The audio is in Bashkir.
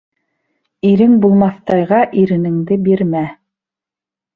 Ирең булмаҫтайға иренеңде бирмә.